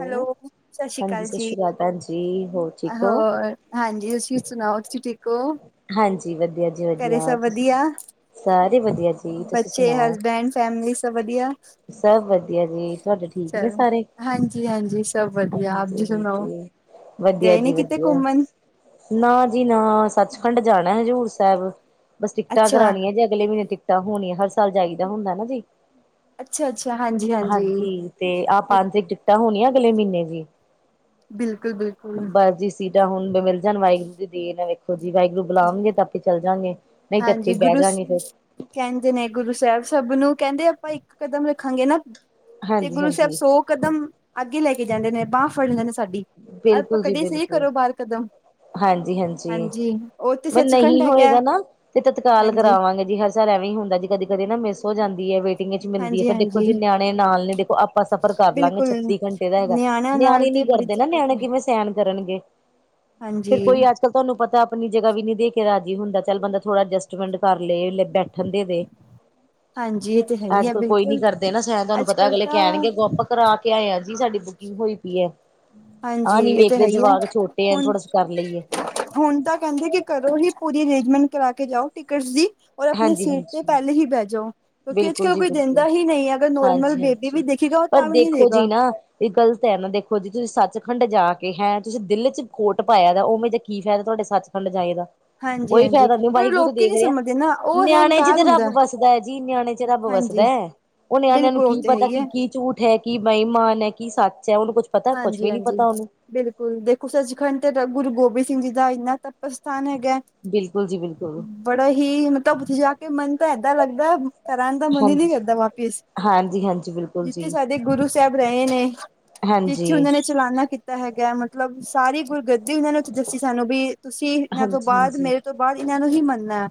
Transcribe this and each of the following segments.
Hello, ਸਸ ਸ਼੍ਰੀ ਹਾਂਜੀ ਕਾਲ ਸਤਿ ਜੀ, ਸ਼੍ਰੀ ਅਕਾਲ ਭੈਣ ਜੀ ਹੋਰ ਠੀਕ ਹੋ ਹੋਰ ਹਾਂਜੀ, ਤੁਸੀਂ ਸੁਣਾਓ ਤੁਸੀਂ ਠੀਕ ਓ ਹਾਂਜੀ ਵਧੀਆ ਜੀ ਘਰੇ ਵਧੀਆ ਸਭ ਤੁਸੀਂ ਵਧੀਆ? ਸਾਰੇ ਵਧੀਆ ਜੀ ਤੁਸੀਂ ਬੱਚੇ, ਸੁਣਾਓ ਹਸਬੈਂਡ, ਫੈਮਲੀ, ਸਭ ਵਧੀਆ? ਸਭ ਵਧੀਆ ਜੀ, ਤੁਹਾਡੇ ਠੀਕ ਨੇ ਚਲੋ, ਸਾਰੇ? ਹਾਂਜੀ-ਹਾਂਜੀ ਸਭ ਵਧੀਆ, ਆਪ ਜੀ ਸੁਣਾਓ? [unintelligible] ਵਧੀਆ ਗਏ ਨੀ ਜੀ ਕਿਤੇ ਵਧੀਆ। ਘੁੰਮਣ? ਨਾ ਜੀ ਨਾ, ਸੱਚਖੰਡ ਜਾਣਾ ਹਜ਼ੂਰ ਸਾਹਿਬ ਬਸ ਟਿਕਟਾਂ ਅੱਛਾ, ਕਰਾਣੀਆਂ ਜੇ ਅਗਲੇ ਮਹੀਨੇ ਟਿਕਟਾਂ ਹੋਣੀਆਂ ਹਰ ਸਾਲ ਜਾਈਦਾ ਹੁੰਦਾ ਨਾ ਜੀ। ਅੱਛਾ-ਅੱਛਾ ਹਾਂਜੀ-ਹਾਂਜੀ। ਹਾਂਜੀ ਤੇ ਆਹ ਪੰਜ ਟਿਕਟਾਂ ਹੋਣੀਆਂ ਅਗਲੇ ਮਹੀਨੇ ਦੀ, ਬਿਲਕੁਲ-ਬਿਲਕੁਲ। ਹਾਂਜੀ ਬਿਲਕੁਲ ਬਿਲਕੁਲ ਬਸ ਜੀ। ਸੀਟਾਂ ਹੁਣ ਮਿਲ ਜਾਣ ਵਾਹਿਗੁਰੂ ਦੀ ਦੇਣ ਹੈ ਵੇਖੋ ਜੀ ਵਾਹਿਗੁਰੂ ਬੁਲਾਣਗੇ ਤਾਂ ਆਪੇ ਚੱਲ ਜਾਗੇ। ਨਹੀਂ ਤੇ ਇੱਥੇ ਹਾਂਜੀ। ਹੀ ਬਹਿ ਗੁਰੂ ਜਾਂਗੇ ਫਿਰ ਕਹਿੰਦੇ ਨੇ ਗੁਰੂ ਸਾਹਿਬ ਸਭ ਨੂੰ ਕਹਿੰਦੇ ਆਪਾਂ ਇੱਕ ਕਦਮ ਰੱਖਾਂਗੇ ਨਾ ਤੇ ਹਾਂਜੀ ਗੁਰੂ ਸਾਹਿਬ ਹਾਂਜੀ ਸੌ ਕਦਮ, ਅੱਗੇ ਲੈ ਕੇ ਜਾਂਦੇ ਨੇ ਬਾਂਹ ਫੜ ਜਾਂਦੇ ਨੇ ਸਾਡੀ, ਆਪਾਂ ਬਿਲਕੁਲ ਜੀ ਕਢੀ ਸੀ ਬਿਲਕੁਲ ਘਰੋ ਬਾਹਰ ਕਦਮ ਹਾਂਜੀ ਹਾਂਜੀ, ਉੱਥੇ ਮੰਨ ਸੱਚਖੰਡ ਨਹੀਂ ਹੈਗਾ ਹੋਏਗਾ ਨਾ ਤੇ ਤੱਤਕਾਲ ਹਾਂਜੀ ਕਰਾਵਾਂਗੇ ਜੀ ਹਰ ਸਾਲ ਐਵੇਂ ਹੀ ਹੁੰਦਾ ਜੀ ਕਦੀ ਕਦੇ ਨਾ ਮਿਸ ਹੋ ਜਾਂਦੀ ਹੈ ਵੇ। ਕਿੰਨੇ ਚ ਮਿਲਦੀ ਹੈ ਹਾਂਜੀ ਫ਼ਿਰ ਦੇਖੋ ਹਾਂਜੀ ਜੀ ਨਿਆਣੇ ਨਾਲ ਨੇ ਦੇਖੋ ਆਪਾਂ ਸਫ਼ਰ ਕਰ ਲਾਂਗੇ ਬਿਲਕੁਲ ਛੱਤੀ ਘੰਟੇ ਦਾ ਬਸ, ਨਿਆਣਿਆਂ ਨਾਲ ਨਿਆਣੇ ਤੇ ਨੀ ਬੜੀ ਕਰਦੇ ਨਾ ਦਿੱਕਤ ਨਿਆਣੇ ਹੈ ਕਿਵੇਂ ਸੈਣ ਕਰਨਗੇ, ਹਾਂਜੀ ਫਿਰ ਕੋਈ ਅੱਜ ਕੱਲ ਤੁਹਾਨੂੰ ਪਤਾ ਆਪਣੀ ਜਗ੍ਹਾ ਵੀ ਨੀ ਦੇ ਕੇ ਰਾਜੀ ਹੁੰਦਾ ਚੱਲ ਬੰਦਾ ਥੋੜਾ ਅਡਜਸਟਮੈਂਟ ਕਰ ਲੇ ਲੈ ਬੈਠਣ ਦੇ ਦੇ। [inaudible] ਹਾਂਜੀ ਇਹ ਤੇ ਹੈ ਹੀ ਅੱਜ ਹੈ ਕੱਲ ਕੋਈ ਨੀ ਬਿਲਕੁਲ ਕਰਦੇ ਨਾ ਸਾਹਿਣ ਤੁਹਾਨੂੰ ਅੱਜ ਪਤਾ ਕੱਲ ਅਗਲੇ ਤਾਂ ਕਹਿਣਗੇ ਕਿਉ ਆਪ ਕਰਾ ਕੇ ਆਏਆ ਜੀ ਸਾਡੀ ਬੁਕਿੰਗ ਹੋਈ ਪੀ ਐ। ਹਾਂਜੀ ਇਹ ਤੇ ਹੈ ਹੀ ਆ। ਛੋਟੇ ਆ ਹੂ ਥੋੜਾ ਕਰ ਲਈਏ ਹੁਣ ਤਾਂ ਕਹਿੰਦੇ ਕੀ ਘਰੋ ਹੀ ਪੂਰੀ ਅਰੇਂਜਮੈਂਟ ਕਰਾ ਕੇ ਜਾਓ ਟਿਕਟਸ ਦੀ ਔਰ ਆਪਣੇ ਹਾਂਜੀ ਸੀਟ ਤੇ ਹਾਂਜੀ ਪਹਿਲੇ ਹੀ ਬਹਿ ਜਾਓ, ਕਿਉਂਕਿ ਅੱਜ ਬਿਲਕੁਲ ਕੱਲ ਜੀ ਕੋਈ ਬਿਲਕੁਲ ਦਿੰਦਾ ਹੀ ਨਹੀਂ ਹੈ ਅਗਰ ਨੋਰਮਲ ਬੇਬੀ ਵੀ ਹਾਂਜੀ-ਹਾਂਜੀ ਦੇਖੇਗਾ ਪਰ ਤਾਂ ਵੀ ਨਹੀਂ ਦੇਖੋ ਦੇਗਾ ਜੀ ਨਾ ਇਹ ਗਲਤ ਹੈ ਨਾ ਦੇਖੋ ਜੀ ਤੁਸੀਂ ਸੱਚਖੰਡ ਜਾ ਕੇ ਹੈਂ ਤੁਸੀਂ ਦਿਲ ਚ ਖੋਟ ਪਾਇਆ ਤਾਂ ਉਹਵੇਂ ਯੇ ਕੀ ਫੇਦਾ ਹੈ ਤੁਹਾਡੇ ਸੱਚ ਖੰਡ ਜਾਏ ਦਾ। ਹਾਂਜੀ ਕੋਈ ਹਾਂਜੀ ਫਾਇਦਾ ਨੀ ਪਰ ਉਹ ਵਾਹਿਗੁਰੂ ਤੇ ਲੋਕ ਦੇਖ ਨੀ ਰਿਹਾ ਸਮਝਦੇ ਨਾ ਉਹ ਨਿਆਣੇ ਚ ਹੰਕਾਰ ਤੇ ਰੱਬ ਹੁੰਦਾ ਵਸੱਦਾ ਹੈ ਜੀ ਨਿਆਣੇ ਚ ਰੱਬ ਵਸੱਦਾ ਹਾਂਜੀ ਐ, ਉਹ ਨਿਆਣਿਆਂ ਨੂੰ ਬਿਲਕੁਲ ਉਹ ਕੀ ਤੇ ਹੈ ਪਤਾ ਹੀ ਹੈ ਕਿ ਕੀ ਕੀ ਝੂਠ ਹੈ ਕਿ ਬੇਈਮਾਨ ਹੈ ਕੀ ਸੱਚ ਹੈ ਉਹਨੂੰ ਕੁਝ ਪਤਾ ਕੁਝ ਹਾਂਜੀ ਵੀ ਨਹੀਂ ਹਾਂਜੀ ਪਤਾ ਉਹਨੂੰ। ਬਿਲਕੁਲ ਦੇਖੋ ਸੱਚਖੰਡ ਤੇ ਗੁਰੂ ਗੋਬਿੰਦ ਸਿੰਘ ਜੀ ਦਾ ਇੰਨਾ ਤਪ ਸਥਾਨ ਹੈਗਾ। ਬਿਲਕੁਲ ਜੀ ਬਿਲਕੁਲ। ਬੜਾ ਹੀ ਮਤਲਬ ਉੱਥੇ ਜਾ ਕੇ ਮਨ ਤਾਂ ਏਦਾਂ ਲੱਗਦਾ। ਘਰ ਆਨ ਦਾ ਮਨ ਹੀ ਨੀ ਹਾਂਜੀ ਕਰਦਾ ਵਾਪਿਸ ਹਾਂਜੀ-ਹਾਂਜੀ ਬਿਲਕੁਲ ਜਿੱਥੇ ਜੀ ਸਾਡੇ ਗੁਰੂ ਸਾਹਿਬ ਰਹੇ ਨੇ। ਹਾਂਜੀ ਜਿੱਥੇ ਉਹਨਾਂ ਨੇ ਚਲਾਨਾ ਕੀਤਾ ਹੈਗਾ ਮਤਲਬ ਸਾਰੀ ਗੁਰਗੱਦੀ ਉਹਨਾਂ ਨੇ ਉੱਥੇ ਦੱਸੀ ਸਾਨੂੰ ਵੀ ਤੁਸੀਂ। ਇਹਨਾਂ ਤੋਂ ਬਾਅਦ ਹਾਂਜੀ-ਹਾਂਜੀ ਮੇਰੇ ਤੋਂ ਬਾਅਦ ਇਹਨਾਂ ਨੂੰ ਹੀ ਮੰਨਣਾ।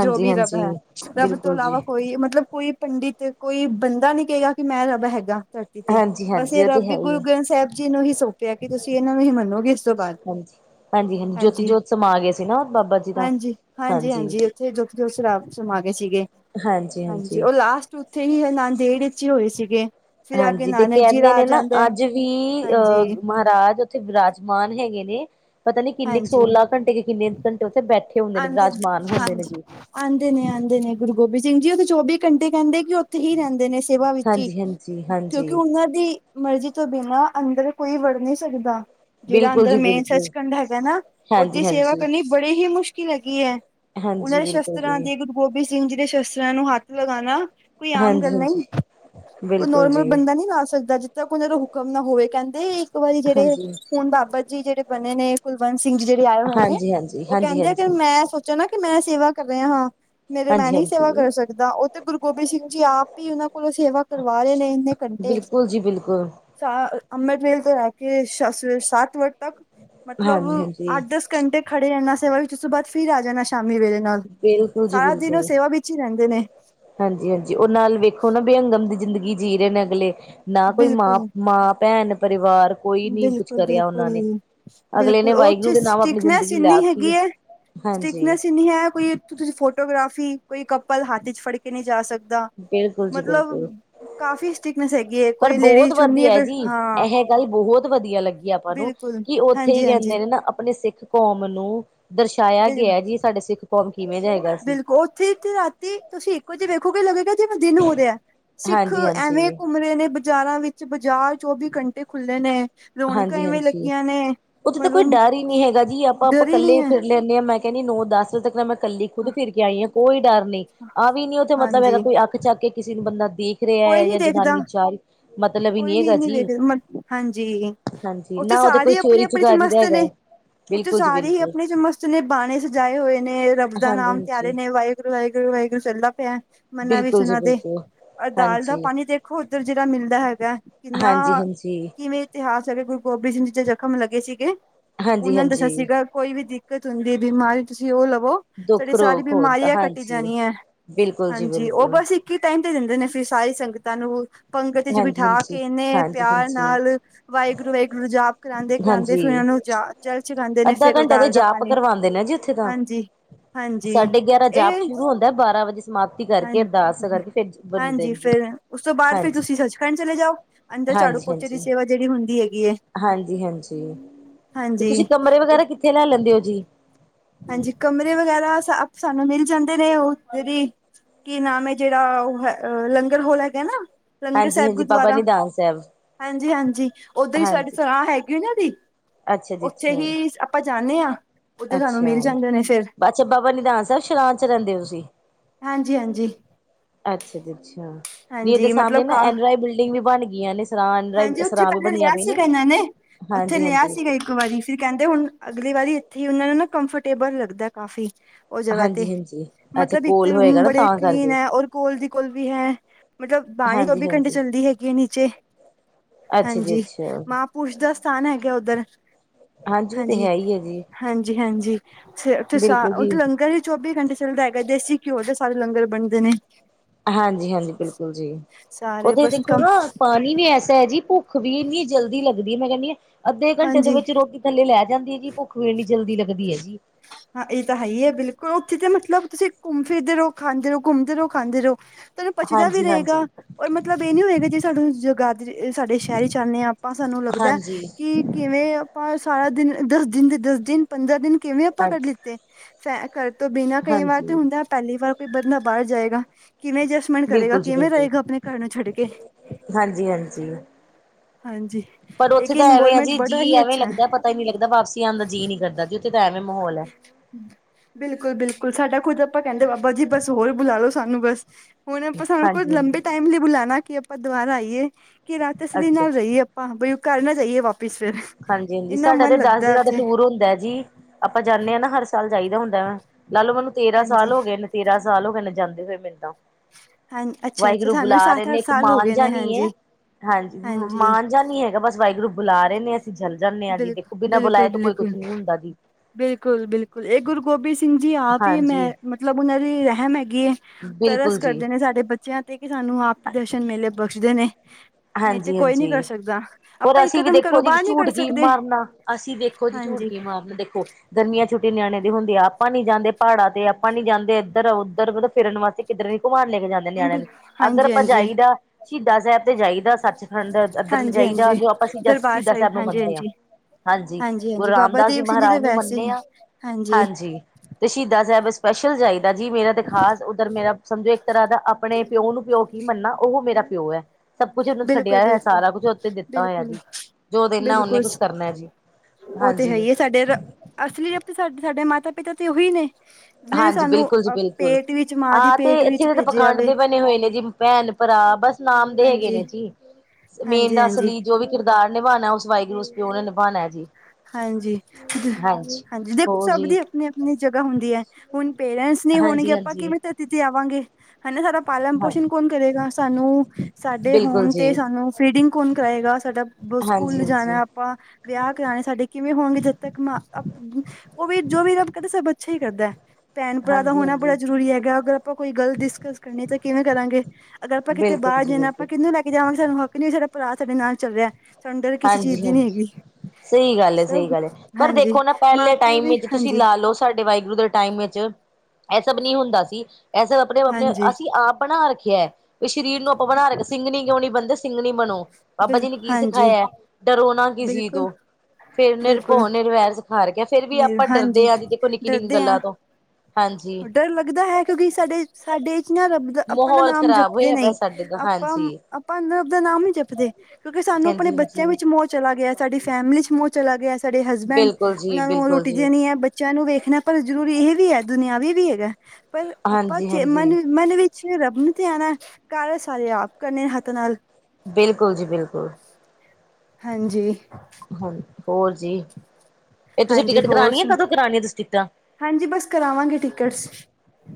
ਜੋ ਵੀ ਰੱਬ ਹੈ। ਰੱਬ ਤੋਂ ਬਿਲਕੁਲ ਜੀ ਇਲਾਵਾ ਕੋਈ ਮਤਲਬ ਕੋਈ ਪੰਡਿਤ, ਕੋਈ ਬੰਦਾ ਨੀ ਕਹੇਗਾ ਕਿ ਮੈਂ ਰੱਬ ਹੈਗਾ ਧਰਤੀ ਤੇ ਬਸ ਹਾਂਜੀ-ਹਾਂਜੀ ਇਹ ਉਹ ਤੇ ਰੱਬ ਹੈ ਹੀ ਹੈ ਮੈਂ ਸਾਹਿਬ ਜੀ ਨੂੰ ਹੀ ਸੌਪਿਆ ਕਿ ਤੁਸੀਂ ਇਹਨਾਂ ਨੂੰ ਹੀ ਮੰਨੋਗੇ। ਤੋਂ ਬਾਅਦ ਹਾਂਜੀ ਹਾਂਜੀ ਹਾਂਜੀ ਜੋਤੀ ਜੋਤ ਸਮਾ ਗਏ ਸੀ ਨਾ ਉਹ ਬਾਬਾ ਜੀ ਦਾ ਹਾਂਜੀ। ਭੈਂਜੀ ਉੱਥੇ ਜੋਤੀ ਜੋਤਿ ਸ਼ਰਾ ਸਮਾ ਗਏ ਸੀਗੇ। ਹਾਂਜੀ ਹਾਂਜੀ। ਉਥੇ ਹੀ ਨਾਂਦੇੜ ਵਿੱਚ ਹੀ ਹੋਏ ਸੀਗੇ। ਫਿਰ ਅੱਗੇ ਹਾਂਜੀ ਤੇ ਨਾਨਕ ਜੀ ਕਹਿੰਦੇ ਰਾਹ ਨੇ ਨਾ ਜਾਂਦਾ ਅੱਜ ਵੀ ਹਾਂਜੀ ਅਹ ਮਹਾਰਾਜ ਉੱਥੇ ਵਿਰਾਜਮਾਨ ਹੈਗੇ ਨੇ। ਪਤਾ ਨੀ ਕਿੰਨੇ ਕੁ ਹਾਂਜੀ ਸੋਲਾਂ ਘੰਟੇ ਕਿ ਕਿੰਨੇ ਘੰਟੇ ਉੱਥੇ ਬੈਠੇ ਹੁੰਦੇ ਨੇ ਵਿਰਾਜਮਾਨ ਹੁੰਦੇ ਨੇ ਜੀ। ਆਉਂਦੇ ਨੇ ਆਉਂਦੇ ਨੇ ਗੁਰੂ ਗੋਬਿੰਦ ਸਿੰਘ ਜੀ ਉੱਥੇ ਚੌਵੀ ਘੰਟੇ ਕਹਿੰਦੇ ਕਿ ਉੱਥੇ ਹੀ ਰਹਿੰਦੇ ਨੇ। ਸੇਵਾ ਵਿੱਚ ਹੀ ਹਾਂਜੀ, ਹਾਂਜੀ, ਕਿਉਂਕਿ ਹਾਂਜੀ ਉਹਨਾਂ ਦੀ ਮਰਜ਼ੀ ਤੋਂ ਬਿਨਾਂ ਅੰਦਰ ਕੋਈ ਵੜ ਨਹੀਂ ਸਕਦਾ। ਜਿਹੜਾ ਬਿਲਕੁਲ ਅੰਦਰ ਜੀ ਮੇਨ ਸੱਚ ਬਿਲਕੁਲ ਹੈਗਾ ਨਾ, ਉਹਦੀ ਹਾਂਜੀ, ਸੇਵਾ ਹਾਂਜੀ। ਕਰਨੀ ਬੜੀ ਹੀ ਮੁਸ਼ਕਿਲ ਹੈਗੀ ਹੈ। ਉਹਨਾਂ ਹਾਂਜੀ ਦੇ ਬਿਲਕੁਲ ਸ਼ਸਤਰਾਂ ਜੀ, ਦੇ ਗੁਰੂ ਗੋਬਿੰਦ ਸਿੰਘ ਜੀ ਦੇ ਸ਼ਸਤਰਾਂ ਨੂੰ ਹੱਥ ਲਗਾਣਾ। ਕੋਈ ਆਮ ਹਾਂਜੀ, ਗੱਲ ਹਾਂਜੀ ਨਹੀਂ। ਬਿਲਕੁਲ ਜੀ। ਨੀ ਲਾ ਸਕਦਾ ਜਦ ਤਕ ਉਹਨਾਂ ਦਾ ਹੁਕਮ ਨਾ ਹੋਵੇ ਕਹਿੰਦੇ ਇੱਕ ਵਾਰੀ ਜਿਹੜੇ ਹਾਂਜੀ। ਹੁਣ ਬਾਬਰ ਜੀ ਜਿਹੜੇ ਬਣੇ ਨੇ ਕੁਲਵੰਤ ਸਿੰਘ ਜੀ ਜਿਹੜੇ ਆਏ ਹੋਏ ਨੇ ਹਾਂਜੀ, ਹਾਂਜੀ, ਉਹ ਹਾਂਜੀ, ਕਹਿੰਦੇ ਕਿ ਹਾਂਜੀ, ਮੈਂ ਸ ਚੌ ਨਾ ਕਿ ਮੈਂ ਸੇਵਾ ਕਰ ਰਿਹਾ ਹਾਂ। ਮੇਰੇ ਮੈਂ ਹਾਂਜੀ, ਨਹੀਂ ਸੇਵਾ ਹਾਂਜੀ ਕਰ ਸਕ ਦਾ ਉਤੇ ਗੁਰੂ ਗੋਬਿੰਦ ਸਿੰਘ ਜੀ ਆਪ ਹੀ ਉਹਨਾਂ ਕੋਲੋਂ ਸੇਵਾ ਕਰਵਾ ਰਹੇ ਨੇ ਇੰਨੇ ਘੰਟੇ। ਬਿਲਕੁਲ ਜੀ ਬਿਲਕੁਲ। ਸਾ ਅੰਬਰਵੇਲ ਤੋਂ ਲੇਹਿ ਕੇ ਸਾਸ਼ਵੇਦ ਸ਼ਾਸ ਵੇਦ ਤੱਕ ਮਤਲਬ ਹਾਂਜੀ, ਹਾਂਜੀ। ਆਠ ਦਸ ਘੰਟੇ ਖੜੇ ਰਹਿਣਾ ਸੇਵਾ ਵਿੱਚ ਉਸ ਤੋਂ ਬਾਅਦ ਫਿਰ ਆ ਜਾਣਾ ਸ਼ਾਮੀ ਵੇਲੇ ਨਾਲ ਬਿਲਕੁਲ ਜੀ ਸਾਰਾ ਦਿਨ ਉਹ ਬਿਲਕੁਲ ਸੇਵਾ ਵਿੱਚ ਹੀ ਰਹਿੰਦੇ ਨੇ। ਹਾਂਜੀ ਹਾਂਜੀ ਉਹ ਨਾਲ ਵੇਖੋ ਨਾ ਬੇਹੰਗਮ ਦੀ ਜ਼ਿੰਦਗੀ ਜੀ ਰਹੇ ਨੇ ਅਗਲੇ ਨਾ ਕੋਈ ਮਾਂ ਬਿਲਕੁਲ ਮਾਂ ਭੈਣ ਪਰਿਵਾਰ ਕੋਈ ਨੀ ਕੁਛ ਬਿਲਕੁਲ, ਕਰਿਆ ਉਹਨਾਂ ਬਿਲਕੁਲ, ਨੇ ਹੀ ਅਗਲੇ ਨੇ ਬਿਲਕੁਲ ਉਹ ਵਾਹਿਗੁਰੂ ਉਥੇ ਦੇ ਨਾਮ ਆਪਣੀ ਸਟਿਕਨੈਸ ਜ਼ਿੰਦਗੀ ਇੰਨੀ ਲਾਤੀ ਹੈਗੀ ਹੈ ਏ। ਹਾਂਜੀ ਸਟਿਕਨੈਸ ਇੰਨੀ ਹੈ ਕੋਈ ਤੁਸੀਂ ਫੋਟੋਗ੍ਰਾਫੀ ਕੋਈ ਕੱਪਲ ਹੱਥ ਚ ਫੜ ਕੇ ਨਹੀਂ ਜਾ ਸਕਦਾ। ਬਿਲਕੁਲ ਜੀ ਮਤਲਬ ਬਿਲਕੁਲ ਕਾਫ਼ੀ ਸਟਿਕਨੈਸ ਹੈਗੀ ਹੈ। ਪਰ ਕੋਈ ਬਹੁਤ ਲੇਡੀਜ਼ ਚੁੰਨੀ ਵਧੀਆ ਅਗਰ ਜੀ ਹਾਂ। ਇਹ ਗੱਲ ਬਹੁਤ ਵਧੀਆ ਲੱਗੀ ਆਪਾਂ ਨੂੰ ਬਿਲਕੁਲ ਕਿ ਉੱਥੇ ਹੀ ਹਾਂਜੀ ਹਾਂਜੀ ਕਹਿੰਦੇ ਨੇ ਨਾ ਆਪਣੇ ਸਿੱਖ ਕੌਂਮ ਨੂੰ ਦਰਸਾਇਆ ਬਿਲ ਗਿਆ ਜੀ ਸਾਡੇ ਸਿੱਖ ਕੌਮ ਕਿਵੇਂ ਦੇ ਹੈਗਾ। ਸੀ ਬਿਲਕੁਲ ਉੱਥੇ ਤੇ ਰਾਤੀ ਤੁਸੀਂ ਕੁੱਝ ਵੇਖੋਗੇ ਲੱਗੇਗਾ ਜਿਵੇ ਦਿਨ ਹੋ ਰਿਹਾ ਆ ਸਿੱਖ ਹਾਂਜੀ ਐਵੇਂ ਹਾਂਜੀ ਘੁੰਮ ਰਹੇ ਨੇ। ਬਾਜ਼ਾਰਾਂ ਵਿੱਚ ਬਾਜ਼ਾਰ ਚੌਵੀ ਘੰਟੇ ਖੁੱਲ੍ਹੇ ਨੇ। ਰੌਣਕਾਂ ਹਾਂਜੀ, ਐਵੇਂ ਹਾਂਜੀ ਲੱਗੀਆਂ ਨੇ ਉੱਥੇ ਤਾਂ ਕੋਈ ਮਤਲਬ ਡਰ ਹੀ ਨਹੀਂ ਹੈਗਾ ਜੀ ਆਪਾਂ ਆਪਾਂ ਡਰ ਹੀ ਨਹੀਂ ਇਕੱਲੇ ਹੈ ਫਿਰਲੇ ਕੇ ਮੈਂ ਕਹਿੰਦੀ ਹਾਂ ਨੋ ਦੱਸ ਵਜੇ ਤੱਕ ਮੈਂ ਕੱਲੀ ਖੁਦ ਫਿਰ ਕੇ ਆਈ ਹਾਂ ਕੋਈ ਡਰ ਨਹੀਂ। ਆਹ ਵੀ ਨੀ ਉੱਥੇ ਮਤਲਬ ਹੈਗਾ। ਹਾਂਜੀ ਕੋਈ ਅੱਖ ਚੱਕ ਕੇ ਕਿਸੇ ਨੂੰ ਬੰਦਾ ਦੇਖ ਵੇਖ ਕੋਈ ਰਿਹਾ ਨੀ ਜਾਂ ਦੇਖਦਾ ਜਨਾਨੀ ਚਲਰੀ ਮਤਲਬ ਹੀ ਨੀ ਹੈਗਾ ਜੀ। ਹਾਂਜੀ ਹਾਂਜੀ--ਉੱਥੇ ਨਾ ਉਹਦੇ ਕੋਈ ਸਾਰੇ ਆਪਣੇ- ਚੋਰੀ ਆਪਣੇ ਚ ਚੁਕਾਰੀ ਦਾ ਮਸਤ ਹੈਗਾ ਨੇ, ਹੈ ਉੱਥੇ ਬਿਲਕੁਲ ਜੀ ਸਾਰੇ ਹੀ ਬਿਲਕੁਲ ਆਪਣੇ ਚ ਮਸਤ ਇਤਨੇ ਬਾਣੇ ਸਜਾਏ ਹੋਏ ਨੇ, ਰੱਬ ਦਾ ਹਾਂਜੀ ਨਾਮ ਧਿਆ ਰੇ ਹਾਂਜੀ ਨੇ, ਵਾਹਿਗੁਰੂ, ਵਾਹਿਗੁਰੂ, ਵਾਹਿਗੁਰੂ ਚੱਲਦਾ ਪਿਆ। ਬਿਲਕੁਲ ਜੀ ਬਿਲਕੁਲ। ਆ ਦਾਲ ਦਾ ਹਾਂਜੀ ਪਾਣੀ ਦੇਖੋ ਓਧਰ ਜਿਹੜਾ ਮਿਲਦਾ ਹੈਗਾ, ਕਿੰਨਾ ਹਾਂਜੀ ਹਾਂਜੀ ਕਿਵੇਂ ਇਤਿਹਾਸ ਸ ਗੁਰੂ ਗੋਬਿੰਦ ਸਿੰਘ ਜੀ ਦੇ ਜਖਮ ਲੱਗੇ ਸੀਗੇ, ਹਾਂਜੀ ਉਹਨਾਂ ਨੇ ਦੱਸਿਆ ਹਾਂਜੀ ਸੀਗਾ ਕੋਈ ਵੀ ਦਿੱਕਤ ਹੁੰਦੀ ਬਿਮਾਰੀ, ਤੁਸੀਂ ਉਹ ਲਵੋ ਤੁਹਾਡੀ ਦੁੱਖ ਸਾਰੀ ਰੋਗ ਹੋਦਾ ਬਿਮਾਰੀਆਂ ਕੱਟੀ ਹਾਂਜੀ ਜਾਣੀਆ ਬਿਲਕੁਲ ਜੀ ਹਾਂਜੀ, ਉਹ ਬਿਲਕੁਲ ਬਸ ਇੱਕ ਇਕ ਟਾਈਮ ਤੇ ਦਿੰਦੇ ਨੇ, ਫਿਰ ਸਾਰੀ ਸੰਗਤਾਂ ਨੂੰ ਪੰਗਤ ਚ ਹਾਂਜੀ ਬਿਠਾ ਹਾਂਜੀ ਕੇ ਇੰਨੇ ਹਾਂਜੀ ਪਿਆਰ ਹਾਂਜੀ ਨਾਲ, ਵਾਹਿਗੁਰੂ- ਵਾਹਿਗੁਰੂ ਜਾਪ ਕਰਾਂਦੇ ਕਰਾਂਦੇ ਫਿਰ ਹਾਂਜੀ ਉਹਨਾਂ ਨੂੰ ਜਾ ਜਲ ਛਕਾਂਦੇ ਨੇ ਅੱਧਾ ਫਿਰ ਉਹ ਘੰਟਾ ਤੇ ਦਾਲ ਦਾ ਜਾਪ ਪਾਣੀ ਕਰਵਾਉਂਦੇ ਨੇ ਜੀ ਉੱਥੇ ਤਾਂ ਹਾਂਜੀ ਹਾਂਜੀ ਇਹ ਬਸ ਬਾਰਾਂ ਵਜੇ ਸਮਾਪਤੀ ਹਾਂ ਕਰਕੇ, ਅਰਦਾਸ ਕਰਕੇ ਫਿਰ ਬਦਲਦੇ ਜੀ ਹਾਂਜੀ। ਸਚਖੰਡ ਚਲੇ ਜਾਓ, ਅੰਦਰ ਝਾੜੂ ਹਾਂਜੀ ਪੋਚੇ ਦੀ ਹਾਂਜੀ ਸੇਵਾ ਜਿਹੜੀ ਹੁੰਦੀ ਹੈਗੀ ਏ। ਹਾਂਜੀ, ਹਾਂਜੀ। ਤੇ ਹਾਂਜੀ। ਤੁਸੀਂ ਕਮਰੇ ਵਗੈਰਾ ਕਿੱਥੇ ਲੈ ਲੈਂਦੇ ਹੋ ਜੀ। ਹਾਂਜੀ, ਕਮਰੇ ਵਗੈਰਾ ਸਾਨੂੰ ਮਿਲ ਜਾਂਦੇ ਨੇ ਉੱਧਰ ਹੀ ਕੀ ਨਾਮ ਹੈ ਜਿਹੜਾ, ਉਹ ਹੈ ਲੰਗਰ ਹੋਲ ਹੈਗਾ ਨਾ ਲੰਗਰ ਹਾਂਜੀ ਸਾਹਿਬ ਹਾਂਜੀ ਬਾਬਾ ਗੁਰਦੁਆਰਾ, ਨਿਧਾਨ ਸਾਹਿਬ ਹਾਂਜੀ-ਹਾਂਜੀ ਉਧਰ ਹੀ ਸਾਡੀ ਹਾਂਜੀ ਸਰਾਹ ਹੈਗੀ ਆ ਜੀ। ਅੱਛਾ ਜੀ ਉੱਥੇ ਅੱਛਾ ਹੀ ਆਪਾਂ ਜਾਂਦੇ ਹਾਂ, ਉੱਧਰ ਸਾਨੂੰ ਅੱਛਾ, ਮਿਲ ਜਾਂਦੇ ਨੇ ਫਿਰ ਅੱਛਾ ਬਾਬਾ ਨਿਧਾਨ ਸਾਹਿਬ ਸਰਾਹ ਚ ਰਹਿੰਦੇ ਹੋ ਤੁਸੀਂ। ਹਾਂਜੀ, ਹਾਂਜੀ। ਅੱਛਾ ਜੀ ਅੱਛਾ। ਵੀ ਇਹਦੇ ਹਾਂਜੀ ਮਤਲਬ ਸਾਹਮਣੇ ਨਾ ਕਾ ਐਨਰਾਈ ਬਿਲਡਿੰਗ ਵੀ ਬਣ ਗਈਆਂ ਨੇ ਸਰਾਂ ਐਨਰਾਈ ਸਰਾਂ ਵੀ ਬਣੀਆਂ ਪਈਆ। ਓਥੇ ਲਿਆ ਸੀਗਾ ਇੱਕ ਵਾਰੀ। ਫਿਰ ਕੈੰਦੇ ਹੁਣ ਅਗਲੀ ਵਾਰੀ ਇੱਥੇ ਹੀ ਉਹਨਾਂ ਨੂੰ ਨਾ ਕੰਫਰਟੇਬਲ ਲੱਗਦੈ ਕਾਫ਼ੀ। ਓਹ ਜਗ੍ਹਾ ਤੇ, ਹਾਂਜੀ ਹਾਂਜੀ ਅੱਛਾ ਮਤਲਬ ਇੱਕ ਤੇ ਕੋਲ ਰੂਮ ਹੋਏਗਾ ਨਾ ਬੜੇ ਤਾਂ ਕਲੀਨ ਕਰਕੇ ਐ, ਔਰ ਕੋਲ ਦੀ ਕੋਲ ਵੀ ਹੈ। ਮਤਲਬ ਬਾਣੀ ਹਾਂਜੀ ਚੌਵੀ ਘੰਟੇ ਹਾਂਜੀ ਚੱਲਦੀ ਹੈਗੀ ਹੈ ਨੀਚੇ। ਅੱਛਾ ਜੀ ਹਾਂਜੀ, ਅੱਛਾ ਮਾਂਪੁਰਸ਼ ਦਾ ਸਥਾਨ ਹੈਗਾ ਓਧਰ। ਉਹ ਤੇ ਹਾਂਜੀ, ਹੈ ਹੀ ਹੈ ਜੀ ਹਾਂਜੀ -ਹਾਂਜੀ ਫੇ ਉੱਥੇ ਸਾ ਬਿਲਕੁਲ ਜੀ ਉੱਥੇ ਲੰਗਰ ਚੌਬੀ ਘੰਟੇ ਚੱਲਦਾ ਹੈਗਾ, ਦੇਸੀ ਘਿਓ ਦੇ ਸਾਰੇ ਲੰਗਰ ਬਣਦੇ ਨੇ। ਹਾਂਜੀ- ਹਾਂਜੀ ਬਿਲਕੁਲ ਜੀ, ਸਾਰੇ ਓਹਦੋ ਬਸ ਦੇਖੋ ਕੰਮ ਪਾਣੀ ਵੀ ਐਸਾ ਹੈ ਜੀ, ਭੁੱਖ ਵੀ ਇੰਨੀ ਜਲਦੀ ਲੱਗਦੀ ਐ, ਮੈਂ ਕੈਂਦੀ ਹਾਂ ਅੱਧੇ ਘੰਟੇ ਦੇ ਹਾਂਜੀ ਵਿੱਚ ਰੋਟੀ ਥੱਲੇ ਲੈ ਜਾਂਦੀ ਐ ਜੀ, ਭੁੱਖ ਵੀ ਏਨੀ ਜਲਦੀ ਲੱਗਦੀ ਐ ਜੀ। ਹਾਂ ਏ ਤਾਂ ਹੈ, ਈ, ਆ ਬਿਲਕੁਲ ਉੱਥੇ ਤਾਂ ਮਤਲਬ ਤੁਸੀਂ ਘੁੰਮ ਫਿਰਦੇ ਰਹੋ- ਖਾਂਦੇ ਰਹੋ ਘੁੰਮਦੇ ਰਹੋ -ਖਾਂਦੇ ਰਹੋ। ਤੁਹਾਨੂੰ ਪਚਦਾ ਵੀ ਹਾਂਜੀ ਰਹੇਗਾ, ਹਾਂਜੀ ਔਰ ਮਤਲਬ ਏਹ ਨੀ ਹੋਏਗਾ ਜੇ ਸਾਨੂੰ ਜੁਗਾ ਜੇ ਸਾਡੇ ਸ਼ਹਿਰ ਚ ਆਂਦੇ ਹਾਂ ਆਪਾਂ, ਸਾਨੂੰ ਲੱਗਦਾ ਹਾਂਜੀ ਕਿ ਕਿਵੇਂ ਆਪਾਂ ਸਾਰਾ ਦਿਨ ਦਸ- ਦਿਨ ਦੇ ਦਸ- ਦਿਨ ਪੰਦਰਾਂ- ਦਿਨ ਕਿਵੇਂ ਆਪਾਂ ਕੱਢ ਹਾਂਜੀ ਲਿੱਤੇ ਫੈ ਘਰ ਤੋਂ ਬਿਨਾਂ ਕਈ ਵਾਰ ਤੇ ਹਾਂਜੀ ਹੁੰਦਾ, ਪਹਿਲੀ ਵਾਰ ਕੋਈ ਬੰਦਾ ਨਾ ਬਾਹਰ ਜਾਏਗਾ ਕਿਵੇਂ ਜ ਮੰਨ ਕਰੇਗਾ ਬਿਲਕੁਲ ਜੀ ਕਿਵੇਂ ਬਿਲਕੁਲ ਰਏਗਾ, ਆਪਣੇ ਘਰ ਨੂੰ ਛੱਡ ਕੇ। ਹਾਂਜੀ -ਹਾਂਜੀ ਹਾਂਜੀ ਪਰ ਓਥੇ ਇੱਕ ਤਾਂ ਐਵੇਂ ਆ ਇਨਵਾਇਰਮੈਂਟ ਜੀ ਬੜਾ -ਜੀ ਹੀ ਐਵੇਂ ਅੱਛਾ ਹੈ। ਲੱਗਦਾ ਪਤਾ ਪਤਾ ਨੀ ਲਗਦਾ ਵਾਪਸੀ ਆਣ ਦਾ ਜੀਅ ਨਈ ਕਰਦਾ ਜੀ, ਓਥੇ ਤਾਂ ਐਵੇਂ ਮਾਹੌਲ ਆ। ਬਿਲਕੁਲ -ਬਿਲਕੁਲ ਸਾਡਾ ਖੁੱਦ ਆਪਾਂ ਕੈਂਦੇ, ਬਾਬਾ ਜੀ ਬਸ ਹੋਰ ਬੁਲਾ ਲੋ ਸਾਨੂੰ ਬਸ। ਹੁਣ ਆਪਾਂ ਸਾਨੂੰ ਕੁਝ ਹਾਂਜੀ ਲੰਬੇ ਹਾਂਜੀ ਟਾਈਮ ਲਈ ਬੁਲਾਣਾ ਕਿ ਆਪਾਂ ਦੁਬਾਰਾ ਆਈਏ। ਕੀ ਰਾਤ ਅਸਲੀ ਅੱਛਾ ਨਾਲ ਜੀ ਰਹੀਏ ਆਪਾਂ, ਬਈ ਓਹ ਘਰ ਨਾ ਜਾਈਏ ਵਾਪਿਸ ਫੇਰ ਹਾਂਜੀ ਹਾਂਜੀ ਸਾਡਾ ਤੇ ਦਸ ਦਿਨਾਂ ਦਾ ਟੂਰ ਹੁੰਦਾ ਏ ਜੀ ਆਪਾਂ ਜਾਂਨੇ ਆ ਨਾ ਹਰ ਸਾਲ ਜਾਈਦਾ ਹੁੰਦਾ ਵਾ ਲਾ ਲੋੋ ਮੈਨੂੰ ਤੇਰਾਂ ਸਾਲ ਹਾਂਜੀ ਹੋ ਗਏ ਨੇ ਤੇਰਾਂ ਸਾਲ ਹੋ ਗਏ ਨੇ ਜਾਂਦੇ ਹੋਏ ਮੈਨੁ ਤਾ ਹਾਂ ਅੱਛਾ ਅੱਛਾ ਵਾਹਿਗੁਰੂ ਸਾਨੂੰ ਵੀ ਬੁਲਾ ਰਹੇ ਸੱਤ ਨੇ ਅੱਠ ਇੱਕ ਸਾਲ ਹੋ ਮਾਨ ਗਏ ਜਿਆ ਨੇ ਨਹੀ ਏ ਹਾਂਜੀ ਹਾਂਜੀ ਮਾਨ ਜੇਹਾ ਨੀ ਹੈਗਾ ਬਸ ਵਾਹਿਗੁਰੂ ਬੁਲਾ ਰਹੇ ਨੇ ਅਸੀ ਚਲੇ ਜਾਂਨੇ ਹਾਂ ਜੀ, ਬਿਲਕੁਲ ਦੇਖੋ ਬਿਨਾਂ ਬੁਲਾਏ ਤੋਂ ਕੋਈ ਕੁਛ ਨੀ ਹੁੰਦਾ ਜੀ ਬਿਲਕੁਲ-ਬਿਲਕੁਲ ਇਹ ਗੁਰੂ ਗੋਬਿੰਦ ਸਿੰਘ ਜੀ ਆਪ ਹੀ ਮੈਂ ਹਾਂਜੀ ਮਤਲਬ ਉਹਨਾਂ ਦੀ ਰਹਿਮ ਹੈਗੀ ਏ ਤਰਸ ਬਿਲਕੁਲ ਜੀ ਕਰਦੇ ਨੇ ਸਾਡੇ ਬੱਚਿਆਂ ਤੇ ਕਿ ਸਾਨੂੰ ਆਪ ਹੀ ਦਰਸ਼ਨ ਮੇਲੇ ਬਖਸ਼ਦੇ ਨੇ ਨਹੀਂ ਤੇ ਹਾਂਜੀ ਕੋਈ ਨੀ ਕਰ ਹਾਂਜੀ ਸਕਦਾ ਆਪਾਂ ਔਰ ਅਸੀਂ ਵੀ ਇਕਦਮ ਦੇਖੋ ਘਰੋ ਜੀ ਬਾਹਰ ਨੀ ਕੱਢ ਝੂਠ ਕੀ ਸਕਦੇ ਮਰਨਾ ਅਸੀਂ ਦੇਖੋ ਜੀ ਝੂਠ ਹਾਂਜੀ ਕੀ ਮਾਰਨਾ ਦੇਖੋ ਗਰਮੀਆਂ ਛੁੱਟੀ ਨਿਆਣੇ ਦੇ ਹੁੰਦੀ ਆ ਆਪਾਂ ਨੀ ਜਾਂਦੇ ਪਹਾੜਾਂ ਤੇ ਆਪਾਂ ਨੀ ਜਾਂਦੇ ਇੱਧਰ ਉੱਧਰ ਬ ਫਿਰਨ ਵਾਸਤੇ ਕਿੱਧਰ ਨੀ ਘੁਮਾਉਣ ਲੈ ਕੇ ਜਾਂਦੇ ਨਿਆਣਿਆਂ ਹਾਂਜੀ ਨੂੰ ਅਗਰ ਹਾਂਜੀ ਆਪਾਂ ਜਾਈਦਾ ਸ਼ਹੀਦਾ ਸਾਹਿਬ ਤੇ ਜਾਈਦਾ ਸੱਚਖੰਡ ਇੱਧਰ ਹਾਂਜੀ ਲਿਜਾਈਦਾ ਹਾਂਜੀ ਜੋ ਆਪਾਂ ਦਰਬਾਰ ਸ਼ਹੀਦਾ ਸਾਹਿਬ ਨੂੰ ਹਾਂਜੀ ਮੰਨਦੇ ਹਾਂ ਹਾਂਜੀ ਹਾਂਜੀ ਹਾਂਜੀ ਗੁਰੂ ਬਾਬਾ ਰਾਮਦਾਸ ਜੀ ਦੀਪ ਸਿੰਘ ਦੇ ਮਹਾਰਾਜ ਨੂੰ ਵੈਸੇ ਮੰਨਨੇ ਹੀ ਆ ਹਾਂਜੀ ਅਤੇ ਸ਼ਹੀਦਾ ਸਾਹਿਬ ਸਪੈਸ਼ਲ ਜਾਈਦਾ ਜੀ ਮੇਰਾ ਤੇ ਖਾਸ ਉੱਧਰ ਮੇਰਾ ਸਮਝੋ ਇੱਕ ਤਰ੍ਹਾਂ ਦਾ ਆਪਣੇ ਪਿਓ ਨੂੰ ਪਿਓ ਕੀ ਮੰਨਨਾ ਉਹ ਮੇਰਾ ਪਿਓ ਹੈ ਸਭ ਕੁਛ ਉਹਨੂੰ ਬਿਲਕੁਲ ਛੱਡਿਆ ਹੋਇਆ ਬਿਲਕੁਲ ਸਾਰਾ ਕੁਛ ਉਤੇ ਦਿੱਤਾ ਹੋਇਆ ਬਿਲਕੁਲ ਜੀ ਜੋ ਦੇਨਾ ਉਹਨੇ ਬਿਲਕੁਲ ਕੁਛ ਕਰਨਾ ਜੀ ਉਹ ਤੇ ਹੈ ਹਾਂਜੀ ਹੀ ਏ ਸਾਡੇ ਰ ਅਸਲੀ ਤਾ ਸਾਡੇ ਮਾਤਾ ਪਿਤਾ ਤੇ ਉਹੀ ਨੇ ਜਿਹਨਾਂ ਨੇ ਹਾਂਜੀ ਸਾਨੂੰ ਬਿਲਕੁਲ ਜੀ ਅ ਬਿਲਕੁਲ ਪੇਟ ਵਿੱਚ ਮਾਂ ਦੀ ਆਹ ਤੇ ਪੇਟ ਵਿੱਚ ਏਥੇ ਤੇ ਭੇਜਿਆ ਪਖੰਡ ਵੇ ਦੇ ਬਣੇ ਹੋਏ ਨੇ ਜੀ ਭੈਣ ਭਰਾ ਬਸ ਨਾਮ ਦੇ ਹੈਗੇ ਹਾਂਜੀ ਨੇ ਜੀ ਮੇਨ ਹਾਂਜੀ ਦਾ ਹਾਂਜੀ ਅਸਲੀ ਜੋ ਵੀ ਕਿਰਦਾਰ ਨਿਭਾਣਾ ਉਸ ਵਾਹਿਗੁਰੂ ਉਸ ਪਿਓ ਨੇ ਨਿਭਾਣਾ ਹਾਂਜੀ ਹਾਂਜੀ ਦੇਖੋ ਹੋਰ ਸਭ ਜੀ ਵਦੀਆ ਅਪਣੀ ਅਪਣੀ ਜਗ੍ਹਾ ਹੁੰਦੀ ਹੈ, ਹੁਣ ਪੇਰੈਂਟਸ ਨਹੀਂ ਹੋਣਗੇ ਹਾਂਜੀ ਆਪਾਂ ਹਾਂਜੀ ਕਿਵੇਂ ਧਰਤੀ ਤੇ ਆਵਾਂਗੇ ਹੈਨਾ ਸਾਡਾ ਪਾਲਣ ਹਾਂ ਪੋਸ਼ਣ ਕੌਣ ਕਰੇਗਾ ਸਾਨੂੰ ਸਾਡੇ ਬਿਲਕੁਲ ਹੋਣ ਜੀ ਤੇ ਸਾਨੂੰ ਫੀਡਿੰਗ ਕੌਣ ਕਰਾਏਗਾ ਸਾਡਾ ਹਾਂਜੀ ਸਕੂਲ ਜਾਣਾ ਹਾਂਜੀ ਆਪਾਂ ਵਿਆਹ ਕਰਾਣੇ ਸਾਡੇ ਕਿਵੇਂ ਹੋਣਗੇ ਜਦ ਤੱਕ ਮ ਉਹ ਵੀ ਜੋ ਵੀ ਕਰਦਾ ਸਭ ਅੱਛਾ ਹੀ ਕਰਦਾ ਪੈਣ ਪਰਾ ਦਾ ਹਾਂਜੀ ਹੋਣਾ ਬੜਾ ਹਾਂਜੀ ਜ਼ਰੂਰੀ ਹੈਗਾ ਅਗਰ ਆਪਾਂ ਕੋਈ ਗੱਲ ਡਿਸਕਸ ਕਰਨੀ ਤਾਂ ਕਿਵੇਂ ਕਰਾਂਗੇ ਅਗਰ ਆਪਾਂ ਕਿਤੇ ਬਿਲਕੁਲ ਬਾਹਰ ਜੀ ਜਾਂਣਾ ਏ ਬਿਲਕੁਲ ਆਪਾਂ ਕਿੰਨੂੰ ਲੈ ਕੇ ਜਾਵਾਂਗੇ ਸਾਨੂੰ ਹੱਕ ਨਹੀਂ ਸਾਡਾ ਭਰਾ ਸਾਡੇ ਨਾਲ ਚੱਲ ਰਿਹਾ ਸਾਨੂੰ ਡਰ ਕਿਸੇ ਚੀਜ਼ ਹਾਂਜੀ ਦੀ ਨੀ ਹਾਂਜੀ ਹੈਗੀ ਸਹੀ ਗੱਲ ਹੈ ਸਹੀ ਸਭ ਗੱਲ ਹੈ ਪਰ ਹਾਂਜੀ ਦੇਖੋ ਨਾ ਮਾਂ ਪਹਿਲੇ ਪਿਓ ਟਾਈਮ ਵੀ ਵਿੱਚ ਤੁਸੀਂ ਹਾਂਜੀ ਲਾ ਲਓ ਸਾਡੇ ਵਾਹਿਗੁਰੂ ਦੇ ਟਾਈਮ ਵਿੱਚ ਇਹ ਸਭ ਨਹੀਂ ਹੁੰਦਾ ਸੀ ਇਹ ਸਬ ਅਪਣੇ ਅਪਣੇ ਹਾਂਜੀ ਅਸੀਂ ਆਪ ਬਣਾ ਰੱਖਿਆ ਵੀ ਸਰੀਰ ਨੂੰ ਆਪਾਂ ਬਣਾ ਰੱਖਿਆ ਸਿੰਗਣੀ ਕਿਉਂ ਨਹੀਂ ਬੰਨਦੇ ਸਿੰਗਣੀ ਬਣੋ ਬਾਬਾ ਬਿਲ ਜੀ ਨੇ ਕੀ ਹਾਂਜੀ ਸਿਖਾਇਆ ਡਰੋ ਨਾ ਕਿਸੇ ਬਿਲਕੁਲ ਤੋਂ ਫੇਰ ਬਿਲਕੁਲ ਨਿਰਭਔ ਨਿਰਵੈਰ ਸਿਖਾ ਰਖਿਆ ਨ ਹਾਂਜੀ ਡਰਦੇ ਹਾਂ ਤੋਂ ਹਾਂਜੀ ਡਰ ਲੱਗਦਾ ਹੈ ਕਿਉਂਕਿ ਸਾਡੇ ਸਾਡੇ ਚ ਨਾ ਰੱਬਦਾ ਆਪਾਂ ਨਾ ਮਾਹੌਲ ਨਾਮ ਖ਼ਰਾਬ ਜਪਦੇ ਹੋਇਆ ਪਿਆ ਨਹੀਂ ਸਾਡੇ ਦਾ ਆਪਾਂ ਹਾਂਜੀ ਆਪਾਂ ਰਬ ਦਾ ਨਾਮ ਨੀ ਜਪਦੇ ਕਿਉਂਕਿ ਸਾਨੂੰ ਆਪਣੇ ਹਾਂਜੀ ਬੱਚਿਆਂ ਹਾਂਜੀ ਵਿੱਚ ਮੌਹ ਚਲਾ ਗਿਆ ਸਾਡੀ ਫੈਮਿਲੀ ਚ ਮੋਹ ਚਲਾ ਗਿਆ ਸਾਡੇ ਹਸਬੈਂਡ ਬਿਲਕੁਲ ਜੀ ਉਹਨਾਂ ਨੂੰ ਬਿਲਕੁਲ ਰੋਟੀ ਜੀ ਦੇਣੀ ਬੱਚਿਆਂ ਨੂੰ ਵੇਖਣਾ ਪਰ ਜ਼ਰੂਰੀ ਇਹ ਵੀ ਹੈ ਦੁਨਿਆਵੀ ਵੀ ਹੈਗਾ ਏ ਪਰ ਆਪਾਂ ਹਾਂਜੀ ਚ ਹਾਂਜੀ ਮਨ ਮਨ ਵਿੱਚ ਜੇ ਰੱਬ ਨੂੰ ਧਿਆਣਾ ਕਾਰਜ ਸਾਰੇ ਆਪ ਕਰਨੇ ਹੱਥ ਨਾਲ ਬਿਲਕੁਲ ਜੀ ਬਿਲਕੁਲ ਹਾਂਜੀ ਹਾਂ ਹੋਰ ਜੀ ਇਹ ਤੁਸੀਂ ਹਾਂਜੀ ਟਿਕਟ ਹੋਰ ਕਰਾਣੀ ਹੈ, ਸੁਣ ਕਦੋਂ ਕਰਾਣੀ ਹੈ ਤੁਸੀਂ ਟਿਕਟਾਂ ਹਾਂਜੀ ਬਸ ਕਰਾਵਾਂਗੇ ਟਿਕਟਸ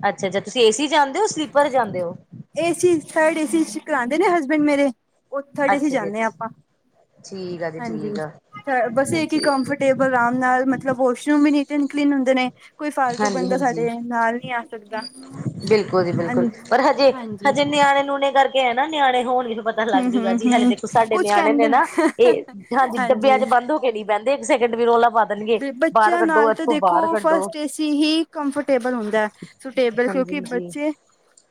ਅੱਛਾ ਅੱਛਾ ਤੁਸੀਂ ਏਸੀ ਜਾਂਦੇ ਔ ਸਲੀਪਰ ਜਾਂਦੇ ਔ ਏਸੀ ਥਰਡ ਏ ਕਰਾਉਂਦੇ ਨੇ ਹਸਬੈਂਡ ਮੇਰੇ ਉਹ ਥਰਡ ਏਸੀ ਅੱਛਾ ਜੀ ਜਾਂਦੇ ਆ ਅੱਛਾ ਆਪਾਂ। ਠੀਕ ਆ ਜੀ ਹਾਂਜੀ, ਠੀਕ ਆ ਬਸ ਇੱਕ ਹੀ ਹਾਂਜੀ ਕੰਫਰਟੇਬਲ ਆਰਾਮ ਨਾਲ ਮਤਲਬ ਵਾਸ਼ਰੂਮ ਵੀ ਨਹੀਂ ਤੇੇ ਨ ਕਲੀਨ ਹੁੰਦੇ ਨੇ। ਕੋਈ ਫਾਲਤੂ ਹਾਂਜੀ ਬੰਦਾ ਸਾਡੇ ਹਾਂਜੀ ਨਾਲ ਨਹੀਂ ਆ ਸਕਦਾ। ਬਿਲਕੁਲ ਜੀ ਬਿਲਕੁਲ ਪਰ ਹਾਂਜੀ ਹਜੇ-ਹਜੇ ਨਿਆਣੇ ਨੂਣੇ ਕਰ ਨਾ ਨਿਆਣੇ ਹੋਣ ਵੀ ਪਤਾ ਲੱਗ ਹਮ ਜੂਗਾ ਹਮ ਜੀ ਹਾਲੇ ਹਮ ਦੇਖੋ ਸਾਡੇ ਕੁਛ ਨਿਆਣੇ ਕਹਿੰਦੇ ਨੇ ਨਾ ਇਹ ਹਾਂਜੀ ਡੱਬਿਆਂ ਚ' ਬੰਦ ਹੋ ਕੇ ਨੀ ਬਹਿੰਦੇ ਇੱਕ ਸੈਕਿੰਡ ਵੀ ਰੌਲਾ ਬੰਦ ਦੇਣਗੇ ਬਾਹਰ ਬੱਚਿਆਂ ਕੱਢੋ ਨਾਲ ਤਾਂ ਇੱਥੋਂ ਦੇਖੋ ਬਾਹਰ ਕੱਢੋ ਫਸਟ ਏਸੀ ਹੀ ਕੰਫਰਟੇਬਲ ਹੁੰਦਾ ਹੈ ਸੁਟੇਬਲ ਹਾਂਜੀ ਕਿਉਂਕਿ ਹਾਂਜੀ ਬੱਚੇ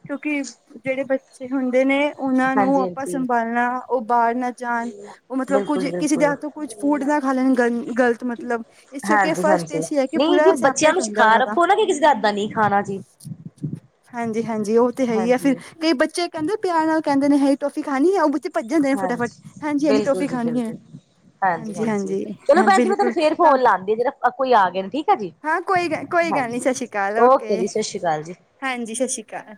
ਕਿਉਂਕਿ ਜਿਹੜੇ ਬੱਚੇ ਹੁੰਦੇ ਨੇ ਉਹਨਾਂ ਨੂੰ ਹਾਂਜੀ ਆਪਾਂ ਹਾਂਜੀ ਸੰਭਾਲਣਾ ਉਹ ਬਾਹਰ ਨਾ ਜਾਣ ਉਹ ਮਤਲਬ ਕੁੱਝ ਬਿਲਕੁਲ ਕਿਸੇ ਦੇ ਬਿਲਕੁਲ ਹੱਥ ਤੋਂ ਕੁੱਝ ਫੂਡ ਨਾ ਖਾ ਲੈਣ ਗ ਗ਼ਲਤ ਮਤਲਬ। ਇਸ ਕਰਕੇ ਫਸਟ ਹਾਂਜੀ-ਹਾਂਜੀ ਏਸੀ ਹੈ ਕਿ ਨਹੀਂ ਜੀ ਪੂਰਾ ਬੱਚਿਆਂ ਸੈਪਰੇਟ ਨੂੰ ਹੁੰਦਾ ਸਿਖਾ ਉਹਨਾਂ ਦਾ ਰੱਖੋ ਨਾ ਕਿਸੇ ਹੰਥ ਦਾ ਨੀ ਖਾਣਾ ਜੀ। ਹਾਂਜੀ-ਹਾਂਜੀ ਉਹ ਤੇ ਹੈ ਹੀ ਆ ਫਿਰ ਕਈ ਬੱਚੇ ਕਹਿੰਦੇ ਪਿਆਰ ਨਾਲ ਕਹਿੰਦੇ ਨੇ ਹੈ ਟੋਫੀ ਖਾਣੀ ਹੈ ਉਹ ਭੱਜ ਜਾਂਦੇ ਨੇ ਫਟਾਫਟ ਹਾਂਜੀ-ਹਾਂਜੀ ਹਾਂਜੀ-ਹਾਂਜੀ ਬਿਲਕੁਲ ਟੋਫੀ ਜੀ ਖਾਣੀ ਹੈ। ਬਿਲਕੁਲ। ਹਾਂਜੀ ਹਾਂਜੀ-ਹਾਂਜੀ ਹਾਂਜੀ ਚਲੋ ਹਾਂ ਭੈਣ ਜੀ ਮੈਂ ਤੁਹਾਨੂੰ ਬਿਲਕੁਲ ਫੇਰ ਤਾਂ ਫੋਨ ਲਾਉਦੀ ਆ ਜਿਹੜਾ ਕੋਈ ਆ ਗਏ ਨੇ ਠੀਕ ਹੈ ਜੀ। ਹਾਂ ਕੋਈ ਗੱਲ ਕੋਈ ਗੱਲ ਨੀ ਹਾਂਜੀ ਸਤਿ ਸ਼੍ਰੀ ਅਕਾਲ ਓਕੇ ਜੀ ਸਤਿ ਸ਼੍ਰੀ ਅਕਾਲ ਜੀ। ਹਾਂਜੀ ਸਤਿ ਸ਼੍ਰੀ ਅਕਾਲ।